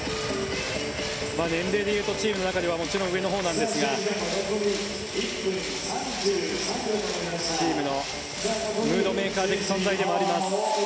年齢でいうとチームの中ではもちろん上のほうですがチームのムードメーカー的存在でもあります。